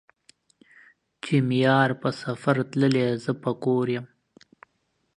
چې مې يار په سفر تللے زۀ به کور يم